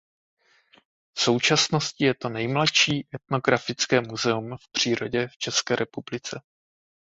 V současnosti je to nejmladší etnografické muzeum v přírodě v České republice.